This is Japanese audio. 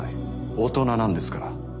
大人なんですから。